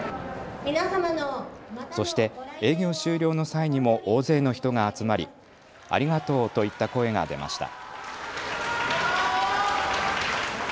そして営業終了の際にも大勢の人が集まりありがとうといった声が出ました。